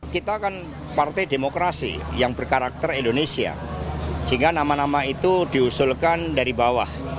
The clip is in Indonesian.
kita kan partai demokrasi yang berkarakter indonesia sehingga nama nama itu diusulkan dari bawah